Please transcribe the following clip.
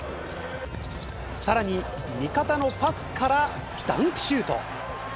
さらに味方のパスからダンクシュート。